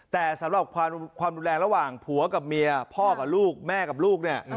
แต่สำหรับความรุนแรงระหว่างผัวกับเมียพ่อกับลูกแม่กับลูกเนี่ย